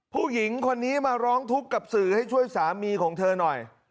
ผู้หญิงคนนี้มาร้องทุกข์กับสื่อให้ช่วยสามีของเธอหน่อย